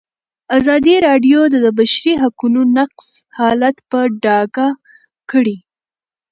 ازادي راډیو د د بشري حقونو نقض حالت په ډاګه کړی.